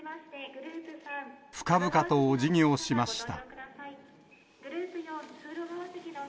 深々とお辞儀をしました。